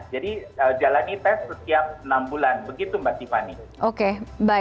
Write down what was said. jadi jalani tes setiap enam bulan begitu mbak tiffany